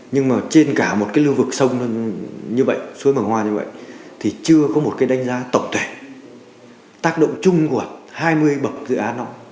nhưng mà trên cả một cái lưu vực sông như vậy suối bằng hòa như vậy thì chưa có một cái đánh giá tổng thể tác động chung của hai mươi bậc dự án đó